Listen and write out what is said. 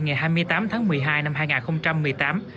ngày hai mươi tám tháng một mươi hai năm hai nghìn một mươi tám